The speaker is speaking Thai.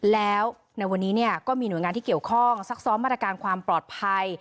แล้วในวันนี้ก็มีหน่วยงานที่เกี่ยวข้องซักซ้อมมาตรการความปลอดภัย